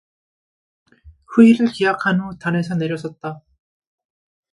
후일을 기약한 후 단에서 내려섰다.